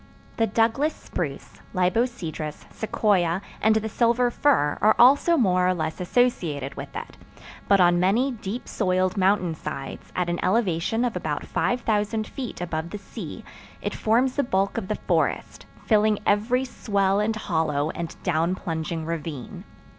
The Douglas spruce, libocedrus, sequoia, and the silver fir are also more or less associated with it; but on many deep soiled mountain sides, at an elevation of about 5000 feet above the sea, it forms the bulk of the forest, filling every swell and hollow and down plunging ravine.